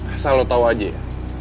asal lo tau aja ya